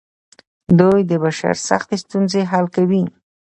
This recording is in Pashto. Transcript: دوی د بشر سختې ستونزې حل کوي.